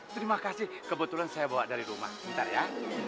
terima kasih kebetulan saya bawa dari rumah sebentar ya